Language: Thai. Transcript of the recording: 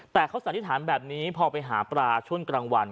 แต่เขาสันนิษฐานแบบนี้พอไปหาปลาช่วงกลางวัน